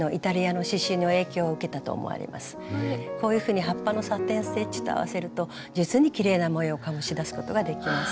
こういうふうに葉っぱのサテン・ステッチと合わせると実にきれいな模様を醸し出すことができます。